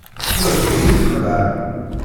Ula d kenwi txedɛem!